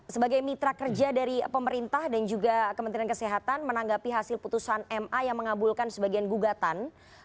sebagai mitra kerja dari pemerintah dan juga kementerian kesehatan menanggapi hasil putusan ma yang mengabulkan sebagian gugatan